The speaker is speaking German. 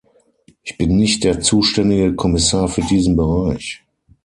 Ich bin nicht der zuständige Kommissar für diesen Bereich.